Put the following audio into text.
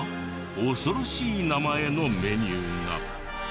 恐ろしい名前のメニューが。